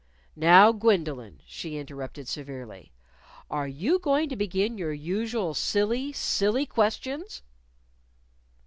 "Now, Gwendolyn," she interrupted severely, "are you going to begin your usual silly, silly questions?"